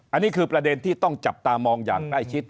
อันนี้คือประเด็นที่ต้องจับตามองอย่างใกล้ชิด